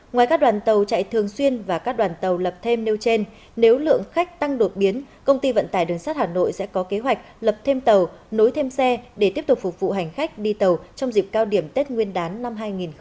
ngoài các đoàn tàu chạy thường xuyên và các đoàn tàu lập thêm nêu trên nếu lượng khách tăng đột biến công ty vận tải đường sắt hà nội sẽ có kế hoạch lập thêm tàu nối thêm xe để tiếp tục phục vụ hành khách đi tàu trong dịp cao điểm tết nguyên đán năm hai nghìn hai mươi